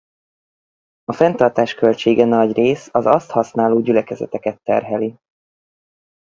A fenntartás költsége nagyrészt az azt használó gyülekezeteket terheli.